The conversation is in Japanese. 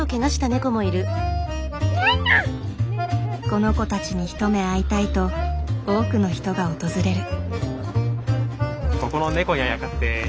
この子たちに一目会いたいと多くの人が訪れる。